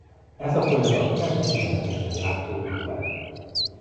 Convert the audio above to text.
Ez a folyamat nem egyenletesen játszódott le.